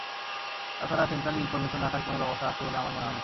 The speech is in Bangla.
তা ছাড়া সেন্ট্রালি ইনফরমেশন রাখার কোনো ব্যবস্থা আছে বলে আমার মনে হয় না।